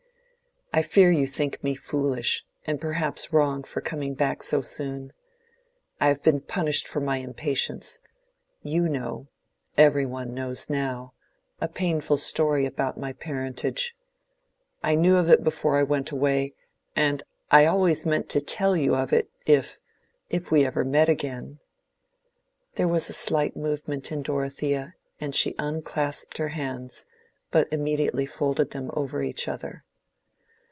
"I fear you think me foolish and perhaps wrong for coming back so soon. I have been punished for my impatience. You know—every one knows now—a painful story about my parentage. I knew of it before I went away, and I always meant to tell you of it if—if we ever met again." There was a slight movement in Dorothea, and she unclasped her hands, but immediately folded them over each other.